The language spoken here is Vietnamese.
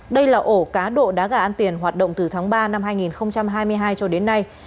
đây là ổ cá độ đá gà ăn tiền hoạt động từ tháng ba năm hai nghìn hai mươi hai cho đến nay